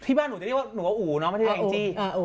พี่บ้านหนูจะเรียกว่าหนูวะหูค์มัธิ่งงี้อ่ะ